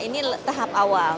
ini tahap awal